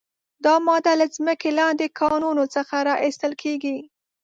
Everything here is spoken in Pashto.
دا ماده له ځمکې لاندې کانونو څخه را ایستل کیږي.